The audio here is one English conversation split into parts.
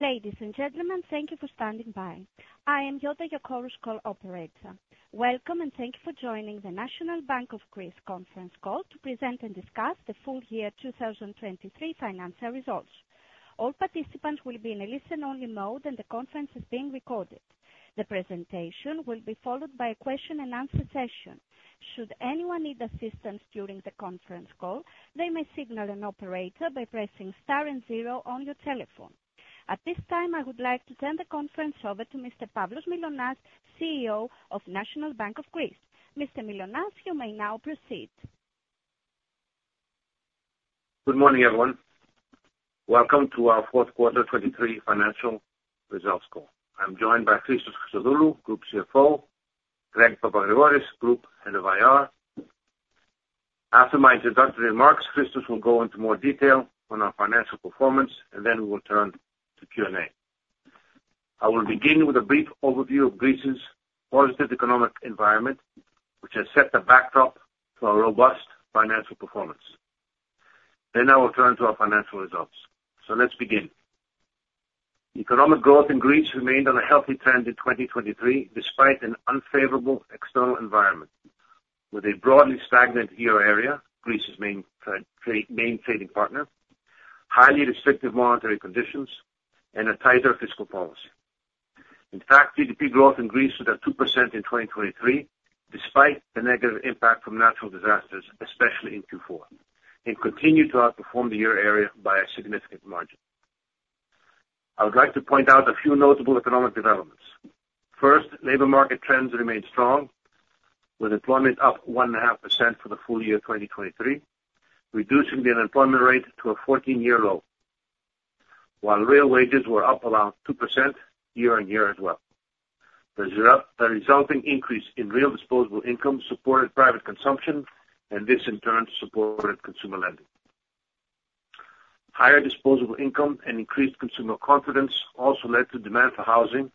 Ladies and gentlemen, thank you for standing by. I am Jutta Joksch, call operator. Welcome, and thank you for joining the National Bank of Greece conference call to present and discuss the full year 2023 financial results. All participants will be in a listen-only mode, and the conference is being recorded. The presentation will be followed by a question-and-answer session. Should anyone need assistance during the conference call, they may signal an operator by pressing star and zero on your telephone. At this time, I would like to turn the conference over to Mr. Pavlos Mylonas, CEO of National Bank of Greece. Mr. Mylonas, you may now proceed. Good morning, everyone. Welcome to our fourth quarter 2023 financial results call. I'm joined by Christos Christodoulou, Group CFO, Greg Papagrigoris, Group Head of IR. After my introductory remarks, Christos will go into more detail on our financial performance, and then we will turn to Q&A. I will begin with a brief overview of Greece's positive economic environment, which has set the backdrop for a robust financial performance. Then I will turn to our financial results. So let's begin. Economic growth in Greece remained on a healthy trend in 2023 despite an unfavorable external environment with a broadly stagnant euro area, Greece's main trading partner, highly restrictive monetary conditions, and a tighter fiscal policy. In fact, GDP growth in Greece was at 2% in 2023 despite the negative impact from natural disasters, especially in Q4, and continued to outperform the euro area by a significant margin. I would like to point out a few notable economic developments. First, labor market trends remained strong with employment up 1.5% for the full year 2023, reducing the unemployment rate to a 14-year low while real wages were up around 2% year-on-year as well. The resulting increase in real disposable income supported private consumption, and this in turn supported consumer lending. Higher disposable income and increased consumer confidence also led to demand for housing,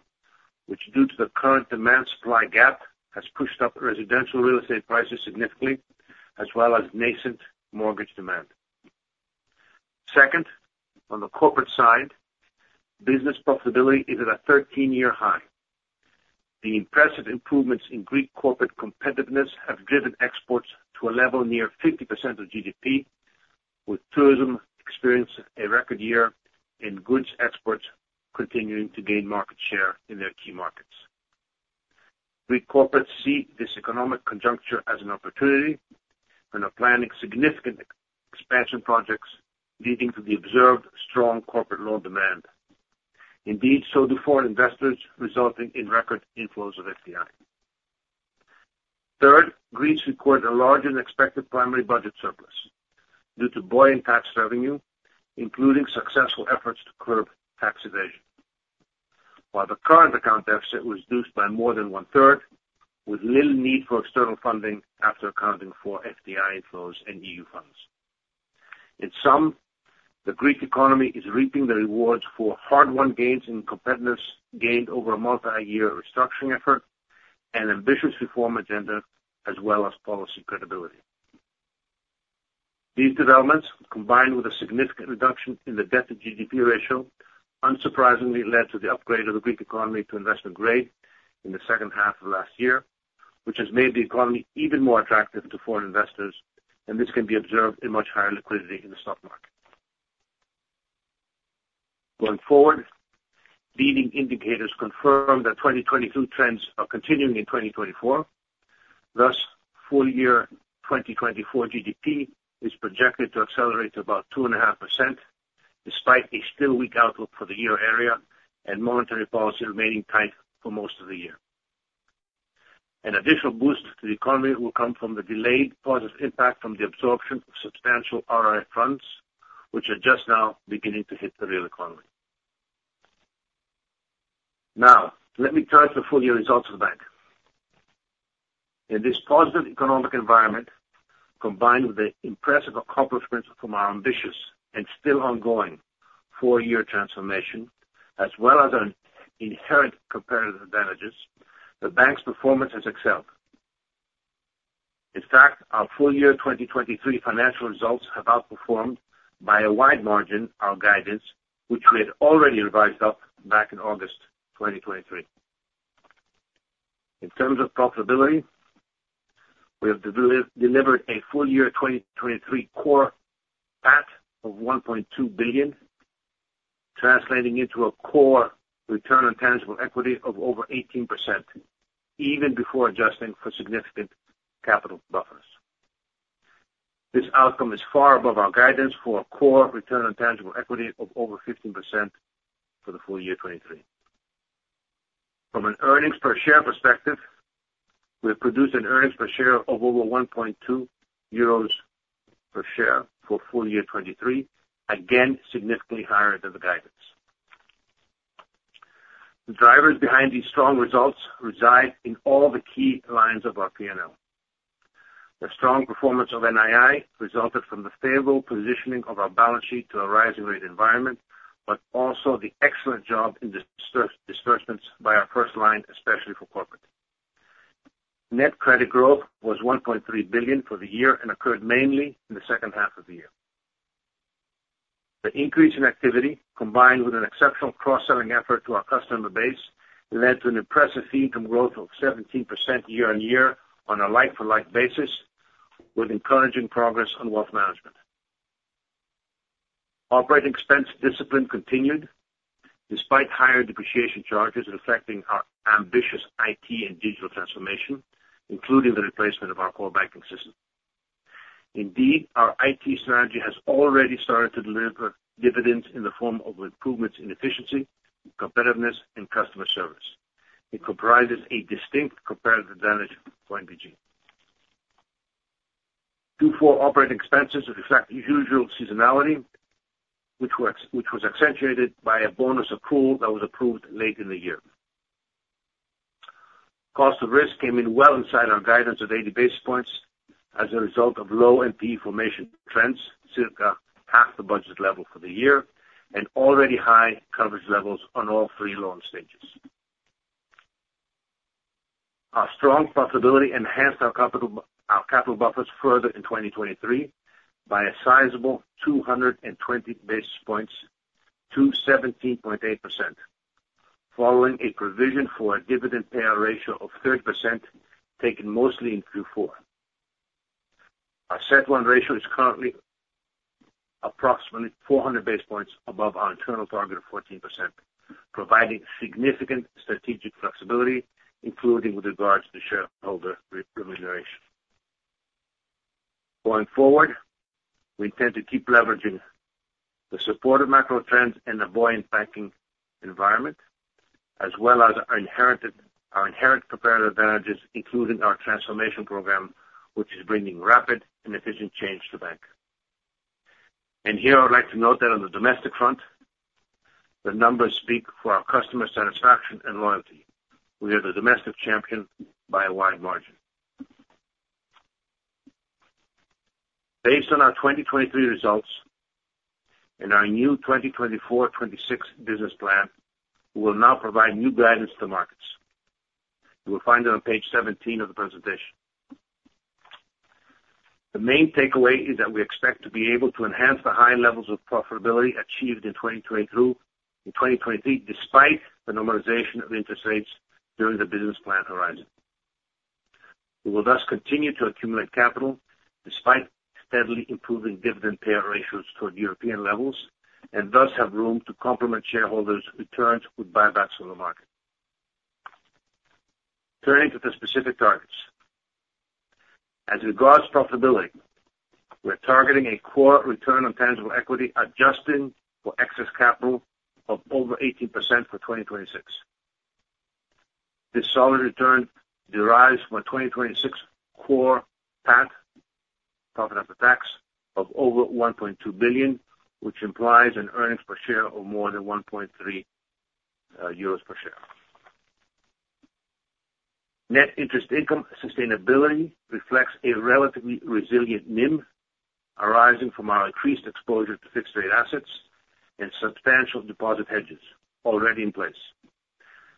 which due to the current demand-supply gap has pushed up residential real estate prices significantly as well as nascent mortgage demand. Second, on the corporate side, business profitability is at a 13-year high. The impressive improvements in Greek corporate competitiveness have driven exports to a level near 50% of GDP, with tourism experiencing a record year and goods exports continuing to gain market share in their key markets. Greek corporates see this economic conjuncture as an opportunity and are planning significant expansion projects leading to the observed strong corporate loan demand. Indeed, so do foreign investors, resulting in record inflows of FDI. Third, Greece recorded a larger than expected primary budget surplus due to buoyant tax revenue, including successful efforts to curb tax evasion, while the current account deficit was reduced by more than one-third with little need for external funding after accounting for FDI inflows and EU funds. In sum, the Greek economy is reaping the rewards for hard-won gains in competitiveness gained over a multi-year restructuring effort and ambitious reform agenda as well as policy credibility. These developments, combined with a significant reduction in the debt-to-GDP ratio, unsurprisingly led to the upgrade of the Greek economy to investment grade in the second half of last year, which has made the economy even more attractive to foreign investors, and this can be observed in much higher liquidity in the stock market. Going forward, leading indicators confirm that 2023 trends are continuing in 2024. Thus, full year 2024 GDP is projected to accelerate to about 2.5% despite a still weak outlook for the euro area and monetary policy remaining tight for most of the year. An additional boost to the economy will come from the delayed positive impact from the absorption of substantial RRF funds, which are just now beginning to hit the real economy. Now, let me turn to the full year results of the bank. In this positive economic environment, combined with the impressive accomplishments from our ambitious and still ongoing four-year transformation as well as our inherent competitive advantages, the bank's performance has excelled. In fact, our full year 2023 financial results have outperformed by a wide margin our guidance, which we had already revised up back in August 2023. In terms of profitability, we have delivered a full year 2023 core PAT of 1.2 billion, translating into a core return on tangible equity of over 18% even before adjusting for significant capital buffers. This outcome is far above our guidance for a core return on tangible equity of over 15% for the full year 2023. From an earnings per share perspective, we have produced an earnings per share of over 1.2 euros per share for full year 2023, again significantly higher than the guidance. The drivers behind these strong results reside in all the key lines of our P&L. The strong performance of NII resulted from the favorable positioning of our balance sheet to a rising rate environment, but also the excellent job in disbursements by our first line, especially for corporate. Net credit growth was 1.3 billion for the year and occurred mainly in the second half of the year. The increase in activity, combined with an exceptional cross-selling effort to our customer base, led to an impressive fee-income growth of 17% year-on-year on a like-for-like basis with encouraging progress on wealth management. Operating expense discipline continued despite higher depreciation charges affecting our ambitious IT and digital transformation, including the replacement of our core banking system. Indeed, our IT strategy has already started to deliver dividends in the form of improvements in efficiency, competitiveness, and customer service. It comprises a distinct competitive advantage for NBG. Q4 operating expenses reflect usual seasonality, which was accentuated by a bonus accrual that was approved late in the year. Cost of risk came in well inside our guidance of 80 basis points as a result of low NPE formation trends, circa half the budget level for the year, and already high coverage levels on all three loan stages. Our strong profitability enhanced our capital buffers further in 2023 by a sizable 220 basis points to 17.8% following a provision for a dividend payout ratio of 30% taken mostly in Q4. Our CET1 ratio is currently approximately 400 basis points above our internal target of 14%, providing significant strategic flexibility, including with regards to shareholder remuneration. Going forward, we intend to keep leveraging the supportive macro trends and a buoyant banking environment as well as our inherent competitive advantages, including our transformation program, which is bringing rapid and efficient change to the bank. Here I would like to note that on the domestic front, the numbers speak for our customer satisfaction and loyalty. We are the domestic champion by a wide margin. Based on our 2023 results and our new 2024-2026 business plan, we will now provide new guidance to the markets. You will find it on page 17 of the presentation. The main takeaway is that we expect to be able to enhance the high levels of profitability achieved in 2023 despite the normalization of interest rates during the business plan horizon. We will thus continue to accumulate capital despite steadily improving dividend payout ratios toward European levels and thus have room to complement shareholders' returns with buybacks from the market. Turning to the specific targets. As regards to profitability, we are targeting a core return on tangible equity adjusting for excess capital of over 18% for 2026. This solid return derives from a 2026 core PAT, profit after tax, of over 1.2 billion, which implies an earnings per share of more than 1.3 euros per share. Net interest income sustainability reflects a relatively resilient NIM arising from our increased exposure to fixed-rate assets and substantial deposit hedges already in place,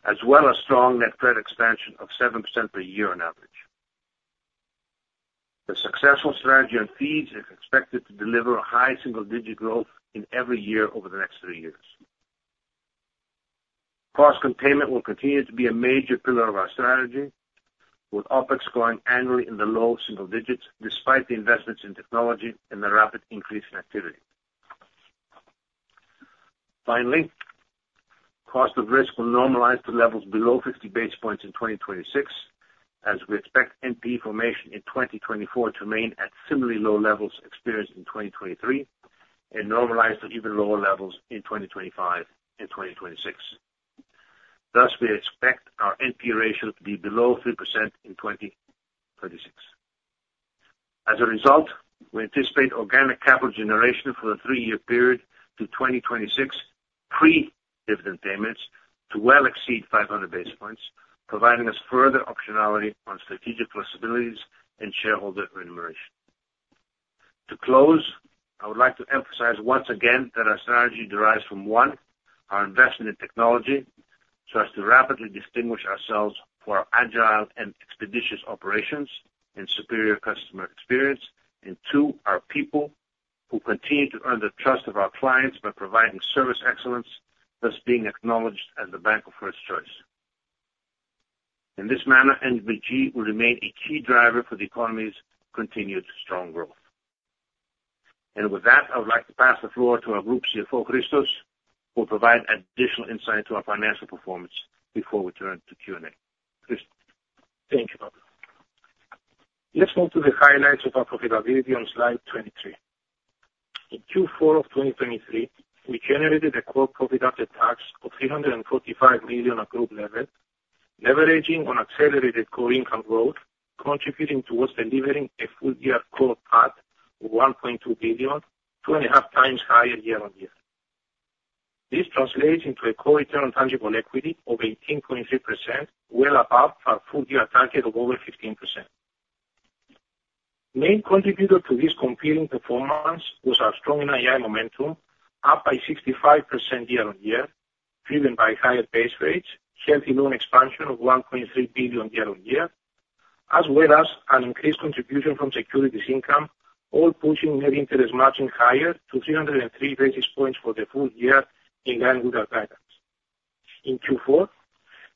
as well as strong net credit expansion of 7% per year on average. The successful strategy on fees is expected to deliver a high single-digit growth in fees every year over the next three years. Cost containment will continue to be a major pillar of our strategy with OpEx going annually in the low single digits despite the investments in technology and the rapid increase in activity. Finally, cost of risk will normalize to levels below 50 basis points in 2026 as we expect NPE formation in 2024 to remain at similarly low levels experienced in 2023 and normalize to even lower levels in 2025 and 2026. Thus, we expect our NPE ratio to be below 3% in 2036. As a result, we anticipate organic capital generation for the three-year period to 2026 pre-dividend payments to well exceed 500 basis points, providing us further optionality on strategic flexibilities and shareholder remuneration. To close, I would like to emphasize once again that our strategy derives from, one, our investment in technology so as to rapidly distinguish ourselves for our agile and expeditious operations and superior customer experience and, two, our people who continue to earn the trust of our clients by providing service excellence, thus being acknowledged as the bank of first choice. In this manner, NBG will remain a key driver for the economy's continued strong growth. With that, I would like to pass the floor to our Group CFO, Christos, who will provide additional insight into our financial performance before we turn to Q&A. Thank you, Pavlos. Let's move to the highlights of our profitability on slide 23. In Q4 of 2023, we generated a core profit after tax of 345 million at group level, leveraging on accelerated core income growth contributing towards delivering a full year core PAT of 1.2 billion, 2.5 times higher year-on-year. This translates into a core return on tangible equity of 18.3%, well above our full year target of over 15%. Main contributor to this compelling performance was our strong NII momentum, up by 65% year-on-year, driven by higher base rates, healthy loan expansion of 1.3 billion year-on-year, as well as an increased contribution from securities income, all pushing net interest margin higher to 303 basis points for the full year in line with our guidance. In Q4,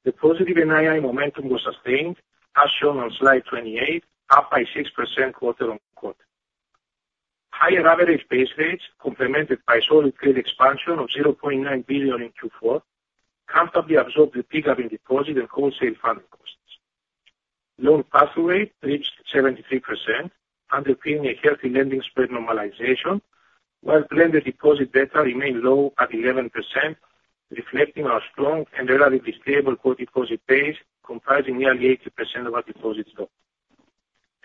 the positive NII momentum was sustained, as shown on slide 28, up by 6% quarter-on-quarter. Higher average base rates, complemented by solid credit expansion of $0.9 billion in Q4, comfortably absorbed the pickup in deposit and wholesale funding costs. Loan pathway reached 73%, underpinning a healthy lending spread normalization while planned deposit beta remained low at 11%, reflecting our strong and relatively stable core deposit base comprising nearly 80% of our deposit stock.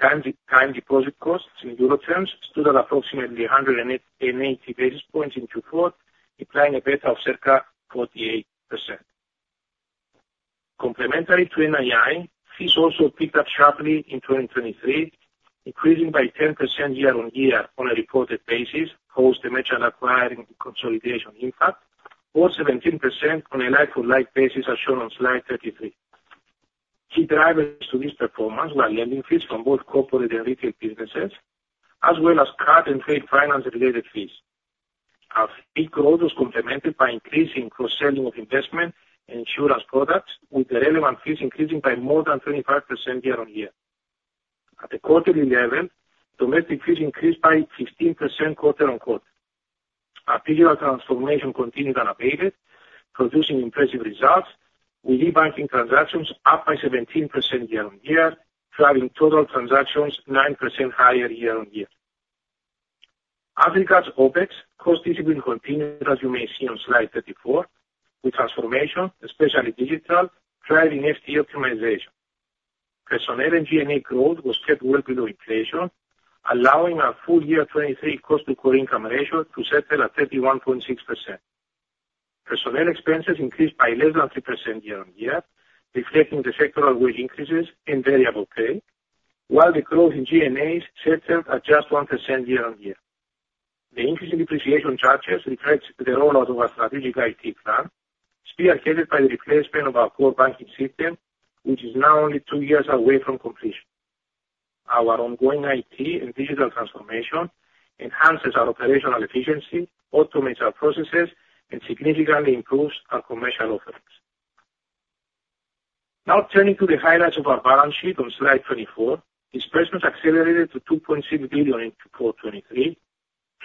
Time deposit costs in euro terms stood at approximately 180 basis points in Q4, implying a beta of circa 48%. Complementary to NII, fees also picked up sharply in 2023, increasing by 10% year-on-year on a reported basis, post the merger and acquiring consolidation impact, or 17% on a like-for-like basis, as shown on slide 33. Key drivers to this performance were lending fees from both corporate and retail businesses, as well as card and trade finance-related fees. Our fee growth was complemented by increasing cross-selling of investment and insurance products, with the relevant fees increasing by more than 25% year-on-year. At the quarterly level, domestic fees increased by 15% quarter-on-quarter. Our digital transformation continued unabated, producing impressive results, with e-banking transactions up by 17% year-on-year, driving total transactions 9% higher year-on-year. Africa's OPEX cost discipline continued, as you may see on slide 34, with transformation, especially digital, driving FTE optimization. Personnel and G&A growth was kept well below inflation, allowing our full year 2023 cost-to-core income ratio to settle at 31.6%. Personnel expenses increased by less than 3% year-on-year, reflecting the sectoral wage increases and variable pay, while the growth in G&As settled at just 1% year-on-year. The increase in depreciation charges reflects the rollout of our strategic IT plan, spearheaded by the replacement of our core banking system, which is now only two years away from completion. Our ongoing IT and digital transformation enhances our operational efficiency, automates our processes, and significantly improves our commercial offerings. Now, turning to the highlights of our balance sheet on slide 24, disbursements accelerated to 2.6 billion in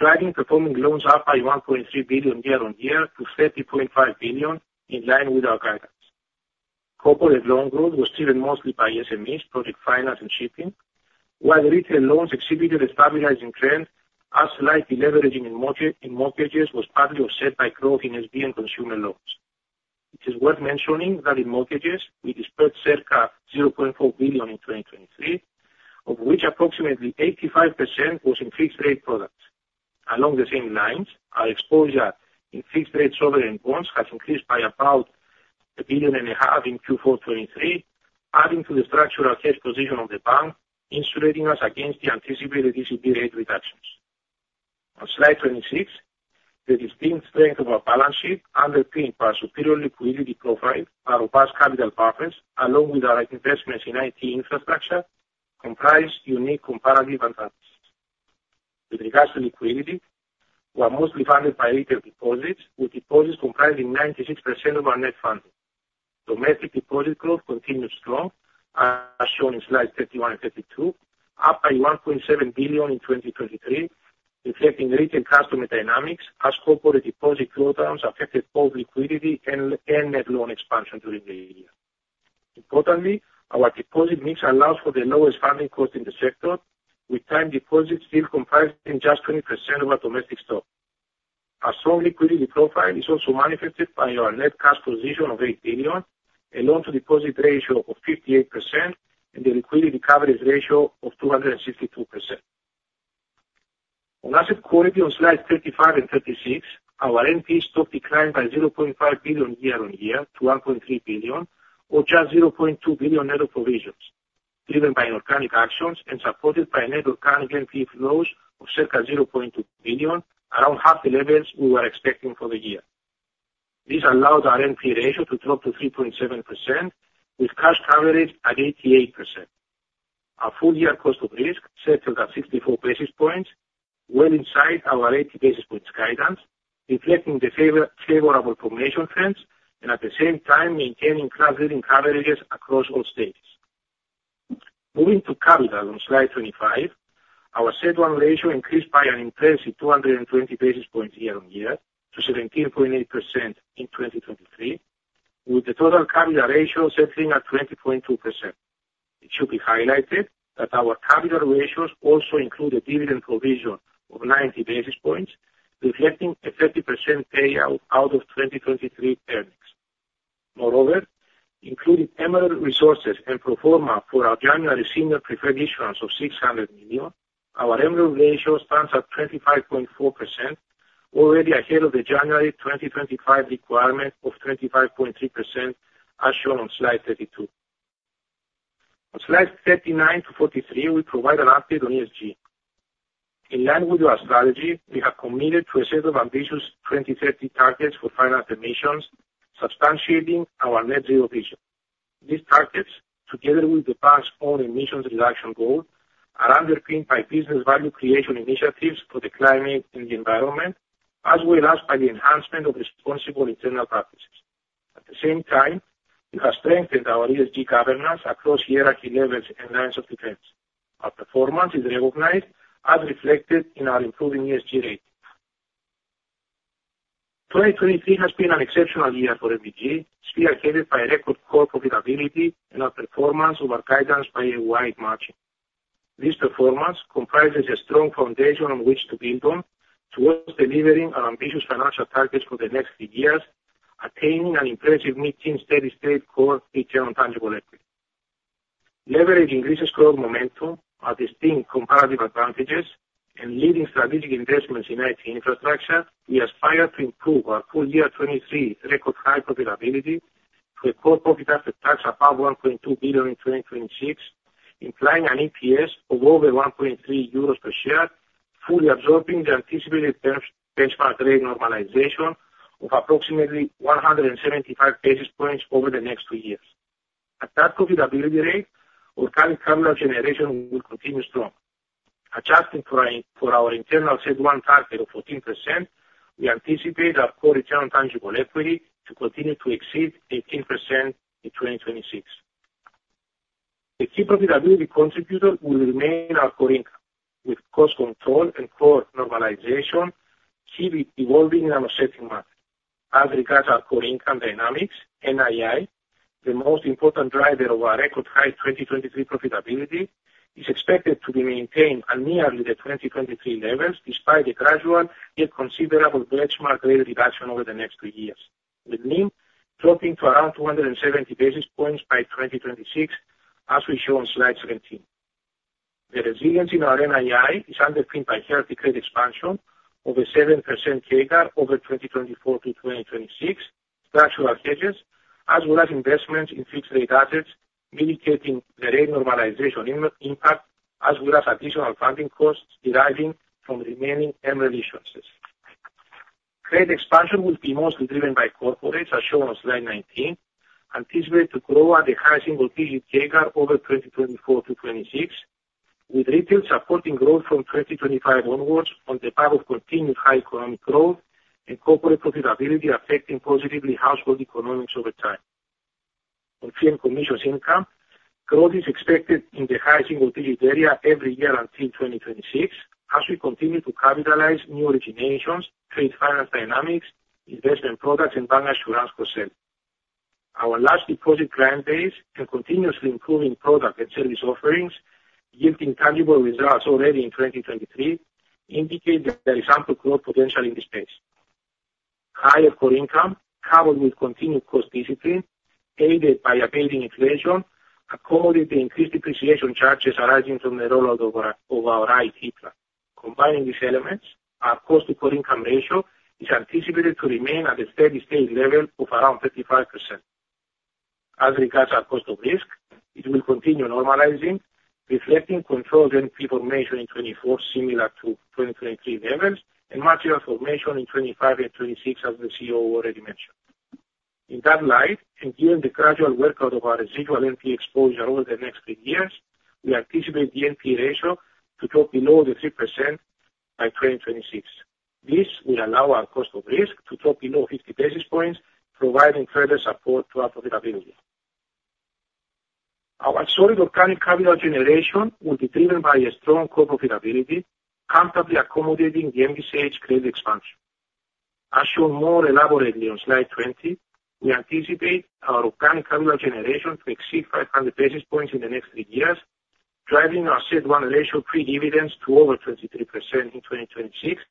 Q4 2023, driving performing loans up by 1.3 billion year-on-year to 30.5 billion in line with our guidance. Corporate loan growth was driven mostly by SMEs, project finance, and shipping, while retail loans exhibited a stabilizing trend, as slightly leveraging in mortgages was partly offset by growth in SB and consumer loans. It is worth mentioning that in mortgages, we disbursed circa 0.4 billion in 2023, of which approximately 85% was in fixed-rate products. Along the same lines, our exposure in fixed-rate sovereign bonds has increased by about 1.5 billion in Q4 2023, adding to the structural cash position of the bank, insulating us against the anticipated ECB rate reductions. On slide 26, the distinct strength of our balance sheet, underpinned by our superior liquidity profile, our robust capital buffers, along with our investments in IT infrastructure, comprise unique comparative advantages. With regards to liquidity, we are mostly funded by retail deposits, with deposits comprising 96% of our net funding. Domestic deposit growth continued strong, as shown in slides 31 and 32, up by $1.7 billion in 2023, reflecting retail customer dynamics, as corporate deposit quota amounts affected both liquidity and net loan expansion during the year. Importantly, our deposit mix allows for the lowest funding cost in the sector, with time deposits still comprising just 20% of our domestic stock. Our strong liquidity profile is also manifested by our net cash position of 8 billion, a loan-to-deposit ratio of 58%, and a liquidity coverage ratio of 262%. On asset quality, on slides 35 and 36, our NPE stock declined by 0.5 billion year on year to 1.3 billion, or just 0.2 billion net of provisions, driven by inorganic actions and supported by net organic NPE flows of circa 0.2 billion, around half the levels we were expecting for the year. This allowed our NPE ratio to drop to 3.7%, with cash coverage at 88%. Our full year cost of risk settled at 64 basis points, well inside our 80 basis points guidance, reflecting the favorable formation trends and at the same time maintaining class-leading coverages across all stages. Moving to capital, on slide 25, our CET1 ratio increased by an impressive 220 basis points year-over-year to 17.8% in 2023, with the total capital ratio settling at 20.2%. It should be highlighted that our capital ratios also include a dividend provision of 90 basis points, reflecting a 30% payout of 2023 earnings. Moreover, including MREL Resources and pro forma for our January senior preferred issuance of $600 million, our MREL ratio stands at 25.4%, already ahead of the January 2025 requirement of 25.3%, as shown on slide 32. On slides 39-43, we provide an update on ESG. In line with our strategy, we have committed to a set of ambitious 2030 targets for financed emissions, substantiating our net zero vision. These targets, together with the bank's own emissions reduction goal, are underpinned by business value creation initiatives for the climate and the environment, as well as by the enhancement of responsible internal practices. At the same time, we have strengthened our ESG governance across hierarchy levels and lines of defense. Our performance is recognized, as reflected in our improving ESG rating. 2023 has been an exceptional year for NBG, spearheaded by record core profitability and our performance over guidance by a wide margin. This performance comprises a strong foundation on which to build on towards delivering our ambitious financial targets for the next three years, attaining an impressive mid-teens steady-state core return on tangible equity. Leveraging resilient growth momentum, our distinct comparative advantages, and leading strategic investments in IT infrastructure, we aspire to improve our full year 2023 record high profitability to a core profit after tax above 1.2 billion in 2026, implying an EPS of over €1.3 per share, fully absorbing the anticipated benchmark rate normalization of approximately 175 basis points over the next two years. At that profitability rate, organic capital generation will continue strong. Adjusting for our internal CET1 target of 14%, we anticipate our core return on tangible equity to continue to exceed 18% in 2026. The key profitability contributor will remain our core income, with cost control and core normalization keep evolving in our setting market. As regards to our core income dynamics, NII, the most important driver of our record high 2023 profitability, is expected to be maintained at nearly the 2023 levels despite a gradual, yet considerable benchmark rate reduction over the next 2 years, with NIM dropping to around 270 basis points by 2026, as we show on slide 17. The resilience in our NII is underpinned by healthy credit expansion of a 7% CAGR over 2024-2026, structural hedges, as well as investments in fixed-rate assets, mitigating the rate normalization impact, as well as additional funding costs deriving from remaining MREL issuances. Credit expansion will be mostly driven by corporates, as shown on slide 19, anticipated to grow at a high single-digit CAGR over 2024 to 2026, with retail supporting growth from 2025 onwards on the back of continued high economic growth and corporate profitability affecting positively household economics over time. On fee and commissions income, growth is expected in the high single-digit area every year until 2026, as we continue to capitalize new originations, trade finance dynamics, investment products, and bank insurance cross-sell. Our large deposit client base and continuously improving product and service offerings, yielding tangible results already in 2023, indicate that there is ample growth potential in this space. Higher core income, coupled with continued cost discipline, aided by abating inflation, accommodates the increased depreciation charges arising from the rollout of our IT plan. Combining these elements, our cost-to-core income ratio is anticipated to remain at a steady-state level of around 35%. As regards to our cost of risk, it will continue normalizing, reflecting controlled NPE formation in 2024 similar to 2023 levels and material formation in 2025 and 2026, as the CEO already mentioned. In that light, and given the gradual workout of our residual NPE exposure over the next three years, we anticipate the NPE ratio to drop below the 3% by 2026. This will allow our cost of risk to drop below 50 basis points, providing further support to our profitability. Our solid organic capital generation will be driven by a strong core profitability, comfortably accommodating the ambitious credit expansion. As shown more elaborately on slide 20, we anticipate our organic capital generation to exceed 500 basis points in the next three years, driving our CET1 ratio pre-dividends to over 23% in 2026,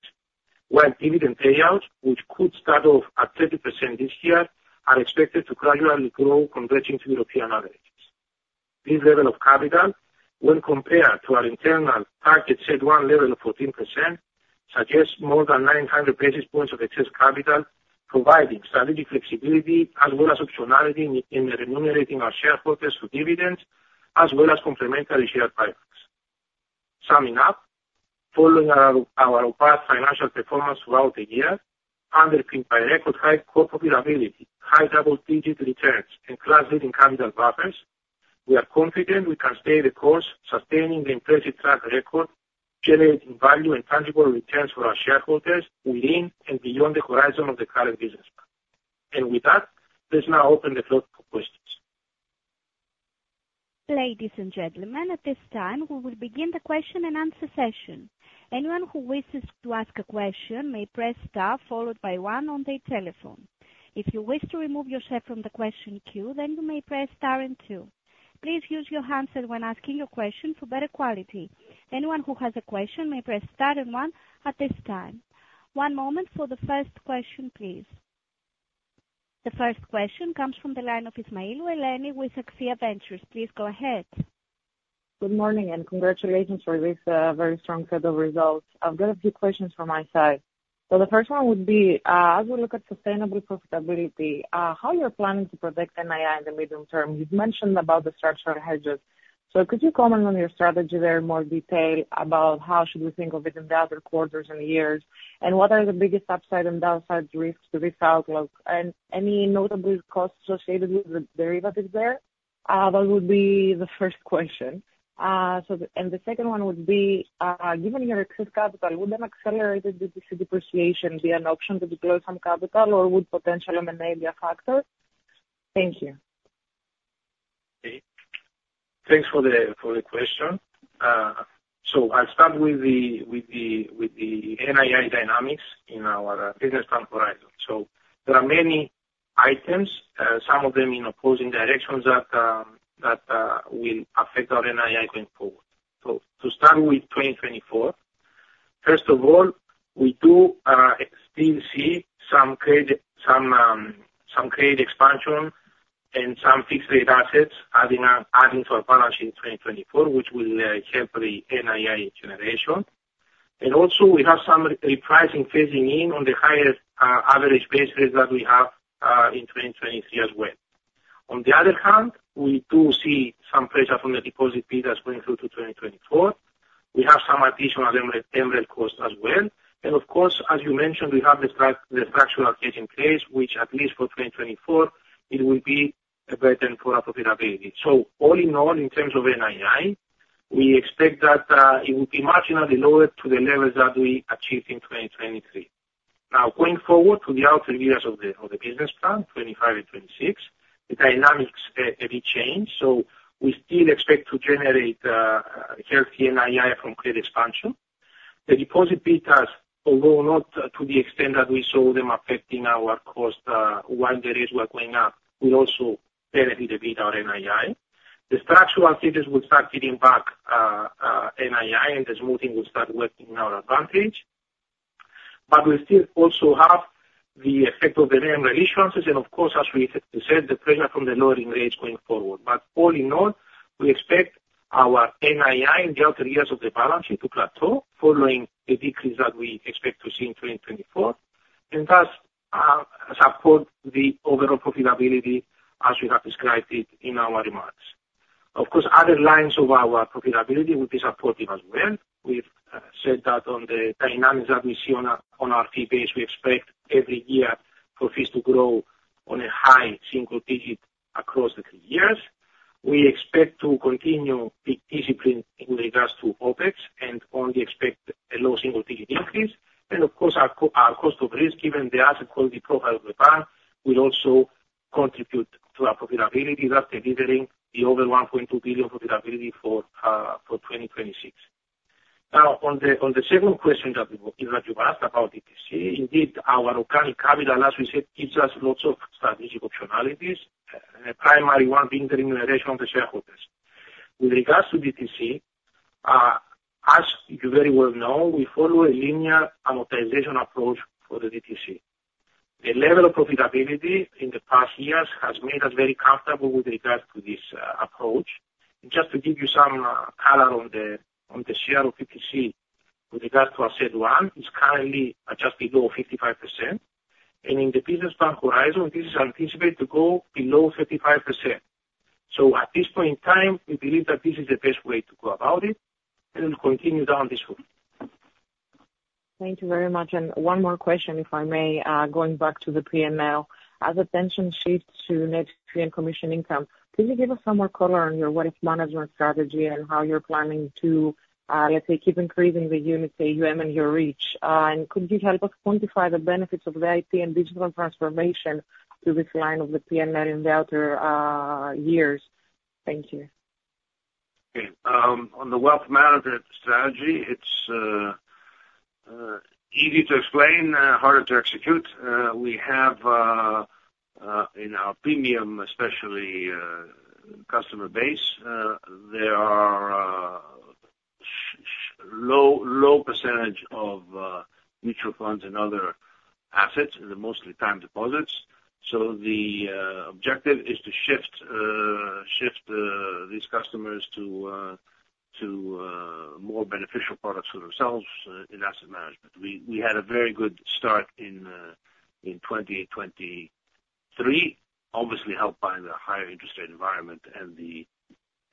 while dividend payouts, which could start off at 30% this year, are expected to gradually grow converging to European averages. This level of capital, when compared to our internal target CET1 level of 14%, suggests more than 900 basis points of excess capital, providing strategic flexibility as well as optionality in remunerating our shareholders for dividends, as well as complementary share buybacks. Summing up, following our robust financial performance throughout the year, underpinned by record high core profitability, high double-digit returns, and class-leading capital buffers, we are confident we can stay the course, sustaining the impressive track record, generating value and tangible returns for our shareholders within and beyond the horizon of the current business plan. And with that, let's now open the floor for questions. Ladies and gentlemen, at this time, we will begin the question-and-answer session. Anyone who wishes to ask a question may press star followed by one on their telephone. If you wish to remove yourself from the question queue, then you may press star and two. Please use your handset when asking your question for better quality. Anyone who has a question may press star and one at this time. One moment for the first question, please. The first question comes from the line of Ouail El Ani with Axia Ventures. Please go ahead. Good morning and congratulations for this very strong set of results. I've got a few questions from my side. So the first one would be, as we look at sustainable profitability, how you're planning to protect NII in the medium term. You've mentioned about the structural hedges. So could you comment on your strategy there in more detail about how should we think of it in the other quarters and years, and what are the biggest upside and downside risks to this outlook? Any notable costs associated with the derivatives there? That would be the first question. The second one would be, given your excess capital, would an accelerated depreciation be an option to deploy some capital, or would potential M&A be a factor? Thank you. Thanks for the question. I'll start with the NII dynamics in our business plan horizon. There are many items, some of them in opposing directions, that will affect our NII going forward. To start with 2024, first of all, we do still see some credit expansion and some fixed-rate assets adding to our balance sheet in 2024, which will help the NII generation. Also, we have some repricing phasing in on the higher average base rate that we have in 2023 as well. On the other hand, we do see some pressure from the deposit piece that's going through to 2024. We have some additional MREL costs as well. Of course, as you mentioned, we have the structural hedge in place, which at least for 2024, it will be a burden for our profitability. All in all, in terms of NII, we expect that it will be marginally lowered to the levels that we achieved in 2023. Now, going forward to the outer years of the business plan, 2025 and 2026, the dynamics have changed. We still expect to generate healthy NII from credit expansion. The deposit piece has, although not to the extent that we saw them affecting our cost while the rates were going up, will also benefit a bit our NII. The structural hedges will start hitting back NII, and the smoothing will start working in our advantage. We still also have the effect of the MREL issuances. Of course, as we said, the pressure from the lowering rates going forward. All in all, we expect our NII in the outer years of the balance sheet to plateau, following the decrease that we expect to see in 2024, and thus support the overall profitability as we have described it in our remarks. Of course, other lines of our profitability will be supportive as well. We've said that on the dynamics that we see on our fee base, we expect every year profits to grow on a high single-digit across the three years. We expect to continue discipline with regards to OpEx and only expect a low single-digit increase. Of course, our cost of risk, given the asset quality profile of the bank, will also contribute to our profitability, thus delivering the over 1.2 billion profitability for 2026. Now, on the second question that you've asked about DTC, indeed, our organic capital, as we said, gives us lots of strategic optionalities, primary one being the remuneration of the shareholders. With regards to DTC, as you very well know, we follow a linear amortization approach for the DTC. The level of profitability in the past years has made us very comfortable with regards to this approach. And just to give you some color on the share of DTC with regards to our CET1, it's currently adjusted below 55%. And in the business plan horizon, this is anticipated to go below 35%. So at this point in time, we believe that this is the best way to go about it, and we'll continue down this route. Thank you very much. And one more question, if I may, going back to the P&L. As attention shifts to net fee and commission income, could you give us some more color on your wealth management strategy and how you're planning to, let's say, keep increasing the unit, say, you have in your reach? And could you help us quantify the benefits of the IT and digital transformation to this line of the P&L in the outer years? Thank you. On the wealth management strategy, it's easy to explain, harder to execute. In our premium, especially, customer base, there are low percentage of mutual funds and other assets, mostly time deposits. So the objective is to shift these customers to more beneficial products for themselves in asset management. We had a very good start in 2023, obviously helped by the higher interest rate environment and the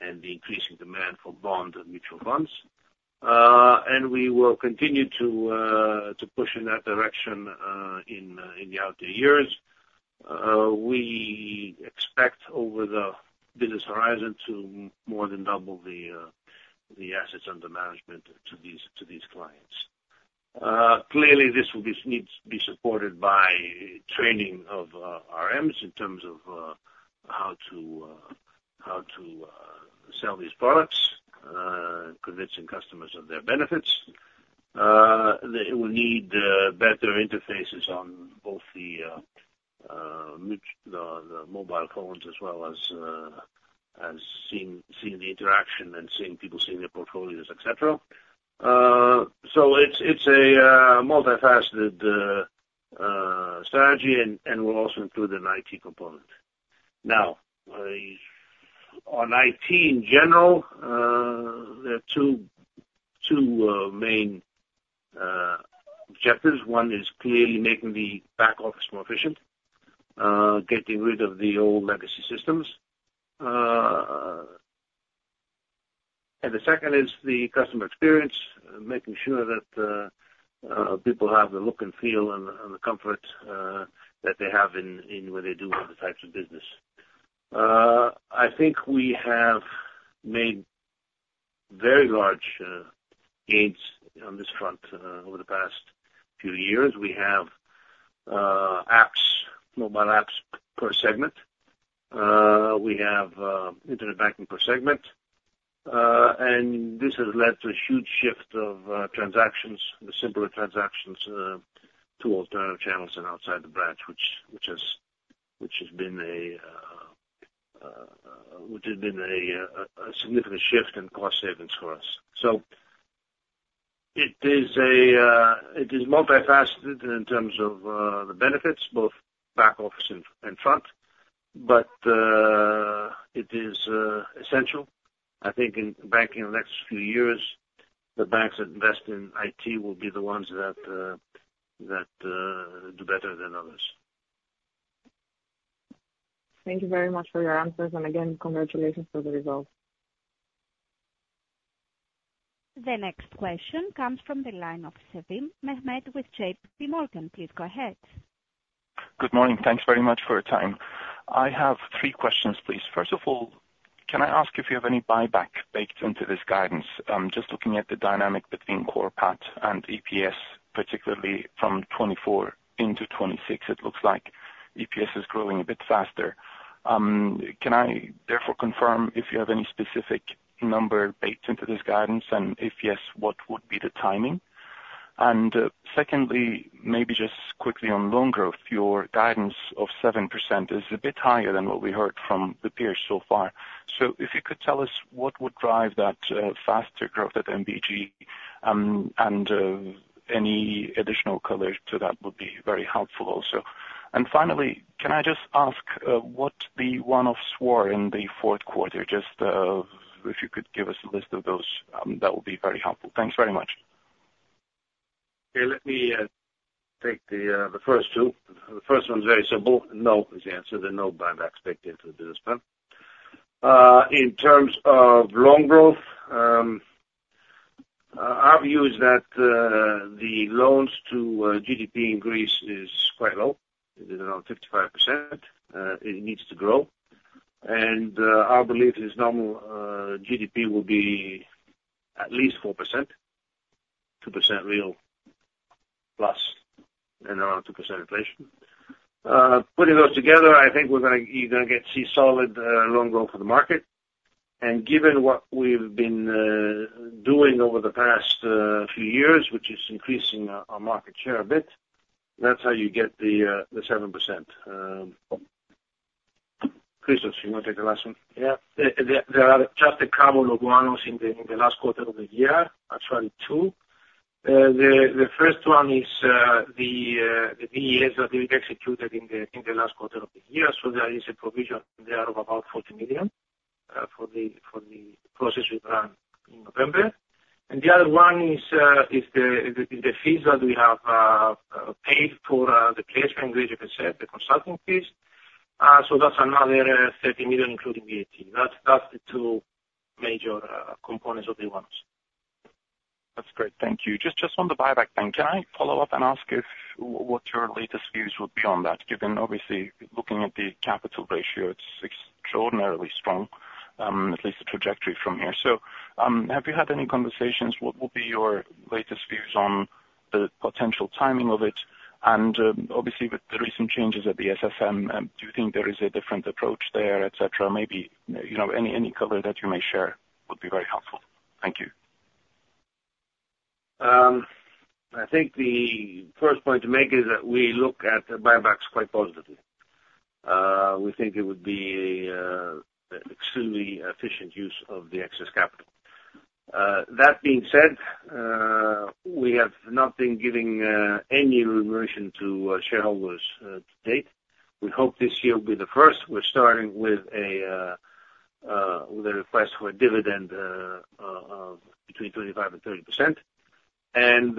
increasing demand for bond and mutual funds. We will continue to push in that direction in the outer years. We expect over the business horizon to more than double the assets under management to these clients. Clearly, this needs to be supported by training of RMs in terms of how to sell these products, convincing customers of their benefits. It will need better interfaces on both the mobile phones as well as seeing the interaction and seeing people seeing their portfolios, etc. So it's a multifaceted strategy, and we'll also include an IT component. Now, on IT in general, there are two main objectives. One is clearly making the back office more efficient, getting rid of the old legacy systems. And the second is the customer experience, making sure that people have the look and feel and the comfort that they have when they do all the types of business. I think we have made very large gains on this front over the past few years. We have mobile apps per segment. We have internet banking per segment. And this has led to a huge shift of transactions, the simpler transactions, to alternative channels and outside the branch, which has been a significant shift and cost savings for us. So it is multifaceted in terms of the benefits, both back office and front, but it is essential. I think in banking in the next few years, the banks that invest in IT will be the ones that do better than others. Thank you very much for your answers. And again, congratulations for the results. The next question comes from the line of Mehmet Sevim with JPMorgan. Please go ahead. Good morning. Thanks very much for your time. I have three questions, please. First of all, can I ask if you have any buyback baked into this guidance? Just looking at the dynamic between core PAT and EPS, particularly from 2024 into 2026, it looks like EPS is growing a bit faster. Can I therefore confirm if you have any specific number baked into this guidance? And if yes, what would be the timing? And secondly, maybe just quickly on loan growth, your guidance of 7% is a bit higher than what we heard from the peers so far. So if you could tell us what would drive that faster growth at NBG, and any additional color to that would be very helpful also. And finally, can I just ask what the one-offs were in the fourth quarter? Just if you could give us a list of those, that would be very helpful. Thanks very much. Okay. Let me take the first two. The first one's very simple. No is the answer. There's no buyback baked into the business plan. In terms of loan growth, our view is that the loans to GDP in Greece is quite low. It is around 55%. It needs to grow. And our belief is normal GDP will be at least 4%, 2% real plus, and around 2% inflation. Putting those together, I think you're going to see solid loan growth in the market. And given what we've been doing over the past few years, which is increasing our market share a bit, that's how you get the 7%. Christos, you want to take the last one? Yeah. There are just a couple of ones in the last quarter of the year. Actually, two. The first one is the VES that we've executed in the last quarter of the year. So there is a provision there of about 40 million for the process we've run in November. And the other one is the fees that we have paid for the placement in Greece, as I said, the consulting fees. So that's another 30 million including VAT. That's the two major components of the ones. That's great. Thank you. Just on the buyback then, can I follow up and ask what your latest views would be on that? Given, obviously, looking at the capital ratio, it's extraordinarily strong, at least the trajectory from here. So have you had any conversations? What would be your latest views on the potential timing of it? And obviously, with the recent changes at the SSM, do you think there is a different approach there, etc.? Maybe any color that you may share would be very helpful. Thank you. I think the first point to make is that we look at the buybacks quite positively. We think it would be an extremely efficient use of the excess capital. That being said, we have not been giving any remuneration to shareholders to date. We hope this year will be the first. We're starting with a request for a dividend between 25%-30%. And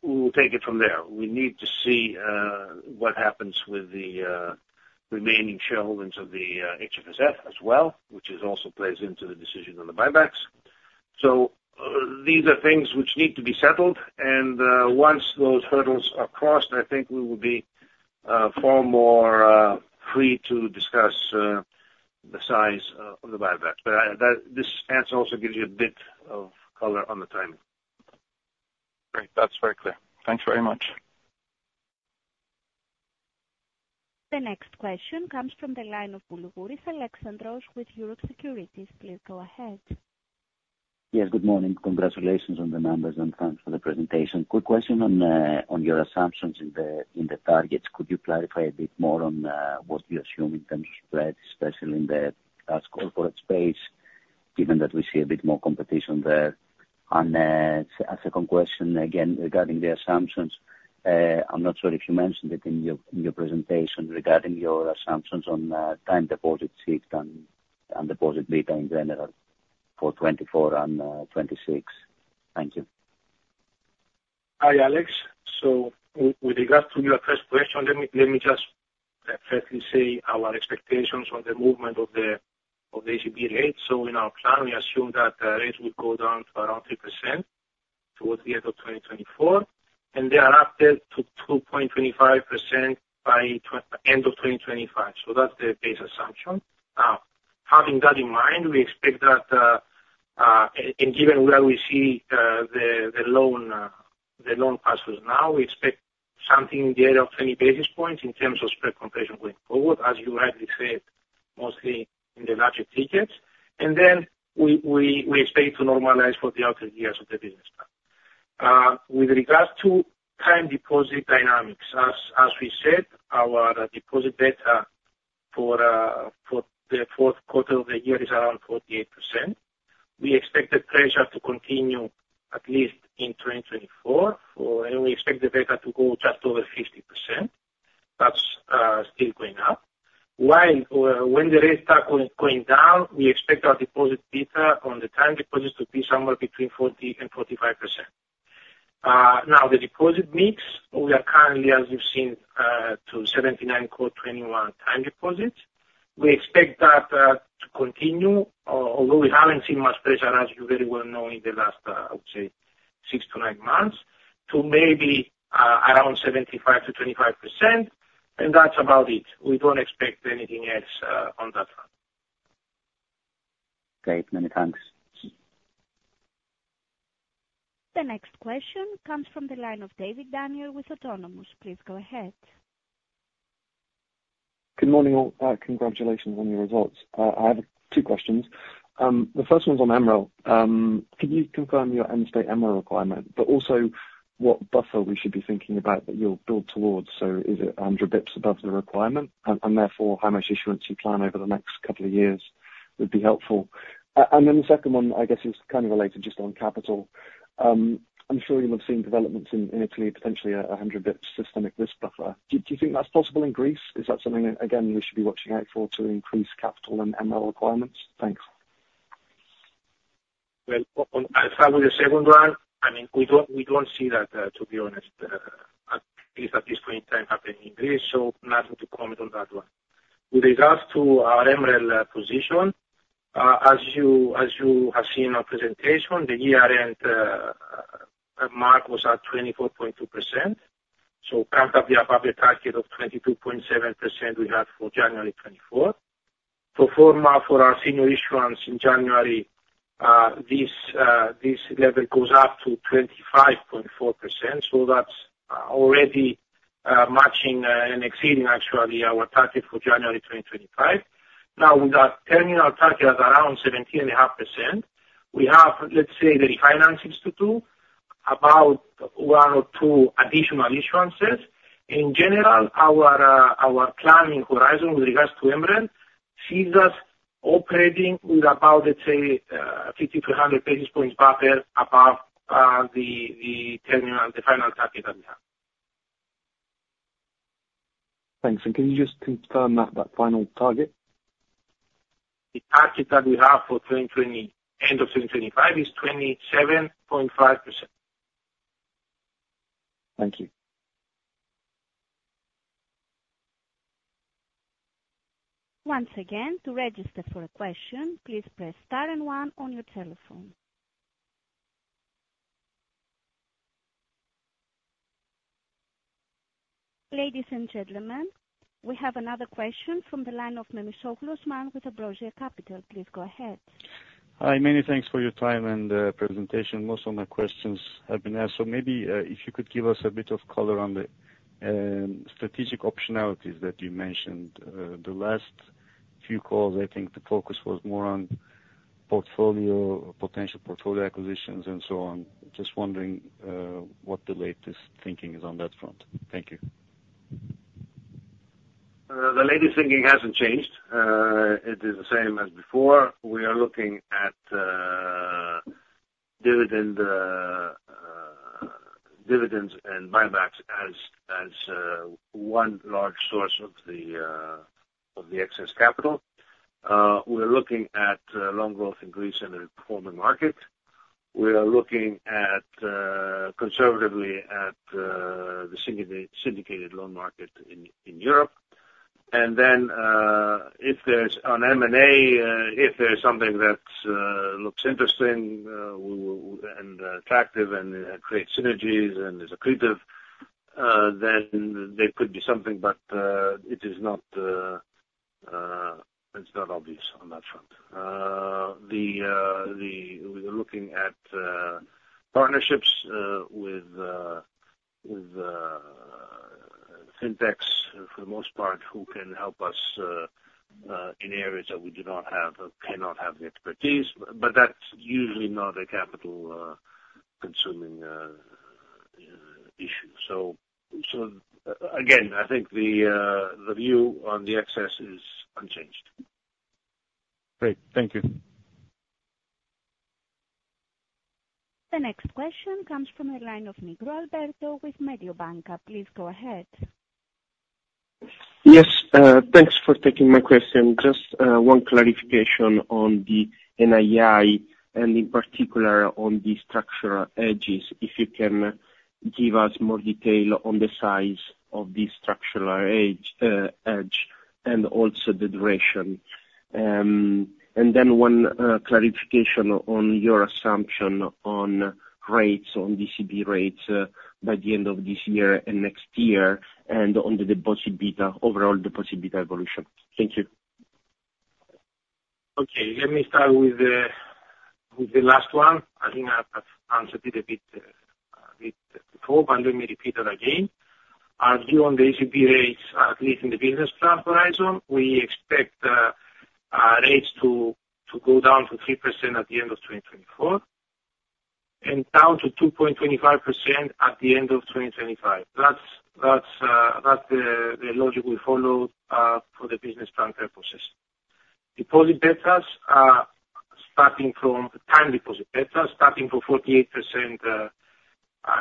we'll take it from there. We need to see what happens with the remaining shareholders of the HFSF as well, which also plays into the decision on the buybacks. So these are things which need to be settled. And once those hurdles are crossed, I think we will be far more free to discuss the size of the buybacks. But this answer also gives you a bit of color on the timing. Great. That's very clear. Thanks very much. The next question comes from the line of Boulougouris Alexandros with Euroxx Securities. Please go ahead. Yes. Good morning. Congratulations on the numbers, and thanks for the presentation. Quick question on your assumptions in the targets. Could you clarify a bit more on what you assume in terms of spreads, especially in the large corporate space, given that we see a bit more competition there? And a second question, again, regarding the assumptions. I'm not sure if you mentioned it in your presentation regarding your assumptions on time deposit shift and deposit beta in general for 2024 and 2026. Thank you. Hi, Alex. So with regards to your first question, let me just firstly say our expectations on the movement of the ECB rate. So in our plan, we assume that the rate will go down to around 3% towards the end of 2024, and thereafter to 2.25% by the end of 2025. So that's the base assumption. Now, having that in mind, we expect that and given where we see the loan passes now, we expect something in the area of 20 basis points in terms of spread compression going forward, as you rightly said, mostly in the larger tickets. And then we expect it to normalize for the outer years of the business plan. With regards to time deposit dynamics, as we said, our deposit beta for the fourth quarter of the year is around 48%. We expect the pressure to continue at least in 2024, and we expect the beta to go just over 50%. That's still going up. When the rate starts going down, we expect our deposit beta on the time deposits to be somewhere between 40% and 45%. Now, the deposit mix, we are currently, as you've seen, to 79.21 time deposits. We expect that to continue, although we haven't seen much pressure, as you very well know, in the last, I would say, 6-9 months, to maybe around 75%-25%. And that's about it. We don't expect anything else on that front. Great. Many thanks. The next question comes from the line of David Daniel with Autonomous. Please go ahead. Good morning. Congratulations on your results. I have two questions. The first one's on MREL. Could you confirm your end-state MREL requirement, but also what buffer we should be thinking about that you'll build towards? So is it 100 basis points above the requirement? And therefore, how much issuance you plan over the next couple of years would be helpful? And then the second one, I guess, is kind of related just on capital. I'm sure you'll have seen developments in Italy, potentially a 100 basis points systemic risk buffer. Do you think that's possible in Greece? Is that something, again, we should be watching out for to increase capital and MREL requirements? Thanks. Well, as far as the second one, I mean, we don't see that, to be honest, at least at this point in time, happening in Greece. So nothing to comment on that one. With regards to our MREL position, as you have seen our presentation, the year-end mark was at 24.2%. So coming up above the target of 22.7% we had for January 2024. For our senior issuance in January, this level goes up to 25.4%. So that's already matching and exceeding, actually, our target for January 2025. Now, with our terminal target at around 17.5%, we have, let's say, the refinancings to do, about 1 or 2 additional issuances. In general, our planning horizon with regards to MREL sees us operating with about, let's say, 50-100 basis points buffer above the final target that we have. Thanks. And can you just confirm that final target? The target that we have for end of 2025 is 27.5%. Thank you. Once again, to register for a question, please press star and one on your telephone. Ladies and gentlemen, we have another question from the line of Memisoglu Osman with Ambrosia Capital. Please go ahead. Hi. Many thanks for your time and presentation. Most of my questions have been asked. So maybe if you could give us a bit of color on the strategic optionalities that you mentioned. The last few calls, I think the focus was more on potential portfolio acquisitions and so on. Just wondering what the latest thinking is on that front. Thank you. The latest thinking hasn't changed. It is the same as before. We are looking at dividends and buybacks as one large source of the excess capital. We're looking at loan growth in Greece and the performing market. We are looking conservatively at the syndicated loan market in Europe. And then if there's an M&A, if there's something that looks interesting and attractive and creates synergies and is accretive, then there could be something, but it is not obvious on that front. We're looking at partnerships with fintechs, for the most part, who can help us in areas that we cannot have the expertise. But that's usually not a capital-consuming issue. So again, I think the view on the excess is unchanged. Great. Thank you. The next question comes from the line of Nigro Alberto with Mediobanca. Please go ahead. Yes. Thanks for taking my question. Just one clarification on the NII and, in particular, on the structural hedges. If you can give us more detail on the size of the structural hedge and also the duration. And then one clarification on your assumption on rates, on ECB rates by the end of this year and next year, and on the overall deposit beta evolution. Thank you. Okay. Let me start with the last one. I think I've answered it a bit before, but let me repeat it again. Our view on the ECB rates, at least in the business plan horizon, we expect rates to go down to 3% at the end of 2024 and down to 2.25% at the end of 2025. That's the logic we follow for the business plan purposes. Deposit betas, starting from time deposit betas, starting from 48%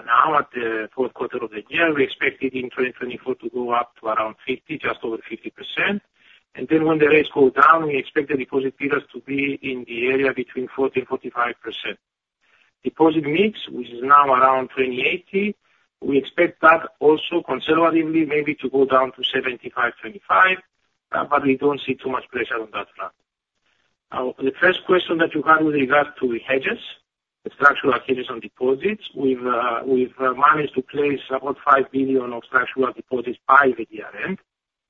now at the fourth quarter of the year, we expect it in 2024 to go up to around 50, just over 50%. Then when the rates go down, we expect the deposit betas to be in the area between 40%-45%. Deposit mix, which is now around 20/80, we expect that also, conservatively, maybe to go down to 75/25, but we don't see too much pressure on that front. The first question that you had with regards to hedges, the structural hedges on deposits, we've managed to place about 5 billion of structural deposits by the year-end,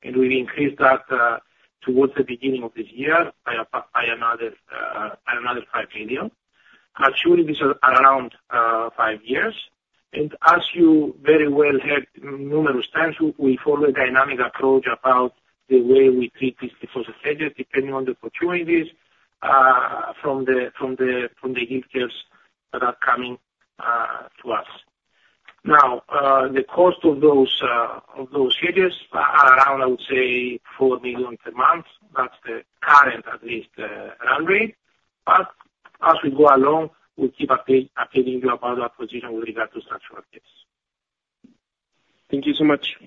and we've increased that towards the beginning of this year by another 5 million. Actually, this is around five years. As you very well heard numerous times, we follow a dynamic approach about the way we treat these deposit hedges depending on the opportunities from the yield curves that are coming to us. Now, the cost of those hedges is around, I would say, 4 million per month. That's the current, at least, run rate. But as we go along, we'll keep updating you about our position with regard to structural hedges. Thank you so much.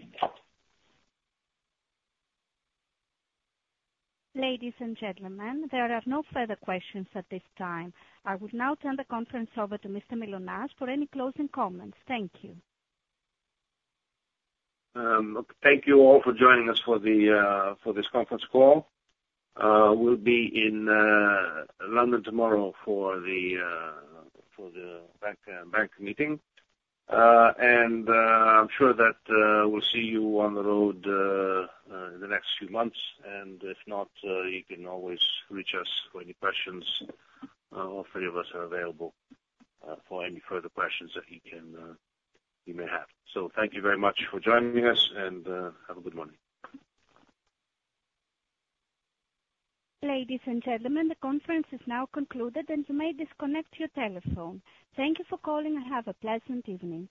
Ladies and gentlemen, there are no further questions at this time. I will now turn the conference over to Mr. Mylonas for any closing comments. Thank you. Thank you all for joining us for this conference call. We'll be in London tomorrow for the bank meeting. I'm sure that we'll see you on the road in the next few months. If not, you can always reach us for any questions. All three of us are available for any further questions that you may have. So thank you very much for joining us, and have a good morning. Ladies and gentlemen, the conference is now concluded, and you may disconnect your telephone. Thank you for calling. Have a pleasant evening.